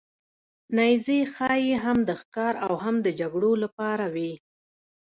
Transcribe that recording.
نیزې ښايي هم د ښکار او هم د جګړو لپاره وې.